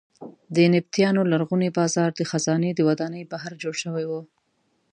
د نبطیانو لرغونی بازار د خزانې د ودانۍ بهر جوړ شوی و.